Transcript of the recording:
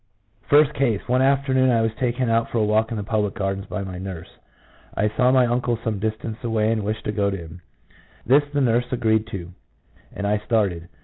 First case. One afternoon I was taken out for a walk in the Public Gardens by my nurse. I saw my uncle some distance away and wished to go to him ; this the nurse agreed to, and I started.